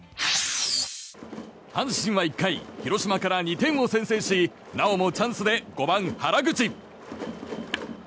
阪神は１回、広島から２点を先制しなおもチャンスで５番、原口。